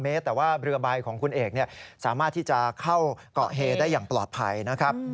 เมตรแต่ว่าเรือใบของคุณเอกสามารถที่จะเข้าเกาะเฮได้อย่างปลอดภัยนะครับ